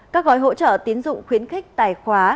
các gói hỗ trợ tiến dụng khuyến khích tài khóa